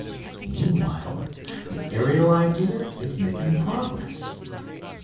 Meanwhile the aerial idea is making progress.